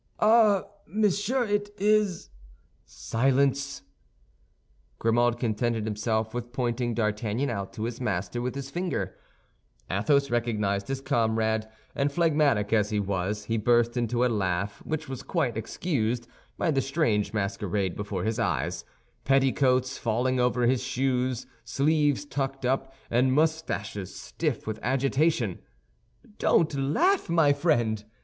"Ah, monsieur, it is—" "Silence!" Grimaud contented himself with pointing D'Artagnan out to his master with his finger. Athos recognized his comrade, and phlegmatic as he was, he burst into a laugh which was quite excused by the strange masquerade before his eyes—petticoats falling over his shoes, sleeves tucked up, and mustaches stiff with agitation. "Don't laugh, my friend!"